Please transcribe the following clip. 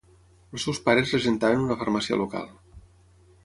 Els seus pares regentaven una farmàcia local.